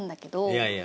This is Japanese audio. いやいや。